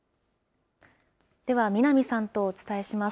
では南さんとお伝えします。